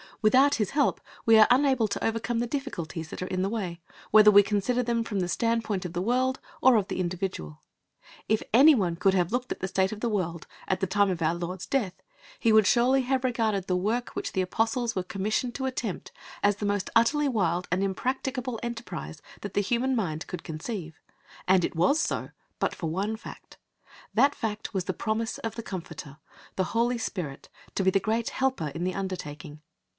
Without His help we are unable to overcome the difficulties that are in the way, whether we consider them from the standpoint of the world or of the individual. If anyone could have looked at the state of the world at the time of our Lord's death he would surely have regarded the work which the Apostles were commissioned to attempt as the most utterly wild and impracticable enterprise that the human mind could conceive. And it was so, but for one fact. That fact was the promise of the Comforter, the Holy Spirit, to be the great Helper in the undertaking.